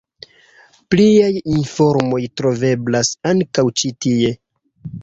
Pliaj informoj troveblas ankaŭ ĉi tie.